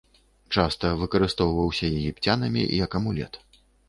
Часта выкарыстоўваўся егіпцянамі як амулет.